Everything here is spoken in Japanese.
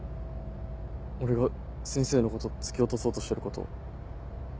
俺が先生のこと突き落とそうとしてること。